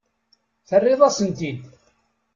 Terriḍ-as-ten-id.